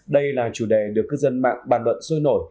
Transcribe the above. đây là chủ đề được cư dân mạng bàn luận sôi nổi